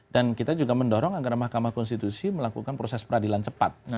dan kita juga mendorong agar mahkamah konstitusi melakukan proses peradilan cepat